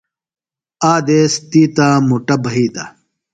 آک دیس تی تا مُٹہ ھِیتہ۔